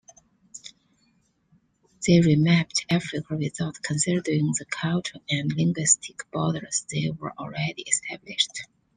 They remapped Africa without considering the cultural and linguistic borders that were already established.